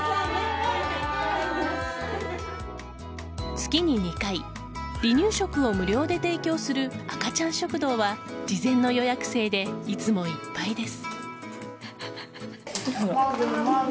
月に２回、離乳食を無料で提供する赤ちゃん食堂は事前の予約制でいつもいっぱいです。